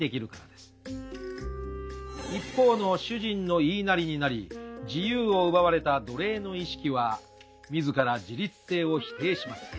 一方の主人の言いなりになり自由を奪われた奴隷の意識は自ら自立性を否定します。